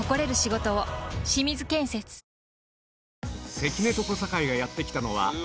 関根と小堺がやって来たのはまずは！